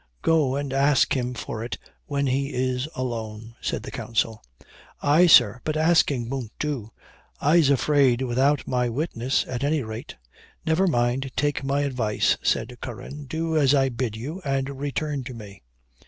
"Go and ask him for it when he is alone," said the counsel. "Ay, sir, but asking won't do, I'ze afraid, without my witness, at any rate." "Never mind, take my advice," said Curran; "do as I bid you, and return to me."